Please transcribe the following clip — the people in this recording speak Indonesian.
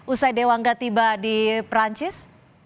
usai dewangga tiba di perancis